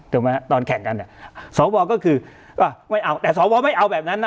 แต่สองบอร์ก็คือแล้วสองบอร์ไม่เอาแบบนั้นนะ